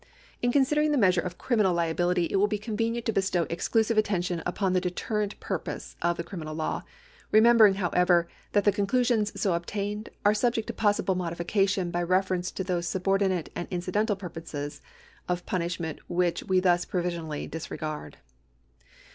In considering the measure of criminal liability it will be convenient to bestow exclusive attention upon the deterrent purpose of the criminal law, remembering, however, that the 378 LIABILITY (CONTINUED) [§150 conclusions so obtained are subject to possible modification by reference to those subordinate and incidental purposes of punishment which we thus provisionally disregard.